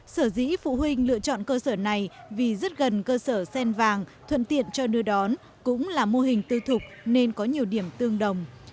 sở dĩ phụ huynh lựa chọn cơ sở này vì rất gần cơ sở sen vàng thuận tiện cho đưa đón cũng là mô hình tư thục nên có nhiều điểm tương đồng